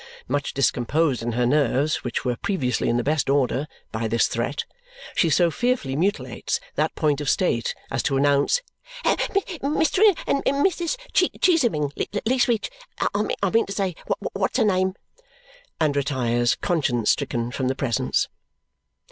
Much discomposed in her nerves (which were previously in the best order) by this threat, she so fearfully mutilates that point of state as to announce "Mr. and Mrs. Cheeseming, least which, Imeantersay, whatsername!" and retires conscience stricken from the presence.